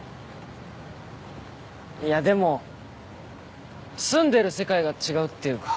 いやでも住んでる世界が違うっていうか。